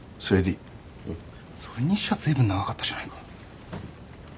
それにしちゃずいぶん長かったじゃないか。